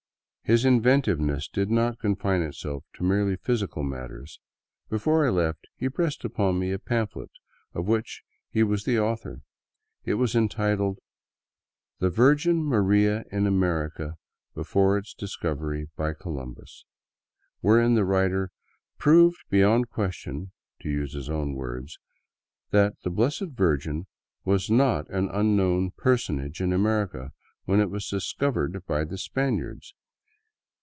His inventiveness did not confine itself to merely physical matters. Before I left, he pressed upon me a pamphlet of which he was the author. It was entitled " The Virgin Maria in America before its Discovery by Columbus," wherein the writer " proved beyond ques tion,'* to use his own words, " that the Blessed Virgin was not an unknown personage in America when it was discovered by the Span iards."